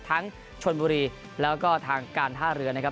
ชนบุรีแล้วก็ทางการท่าเรือนะครับ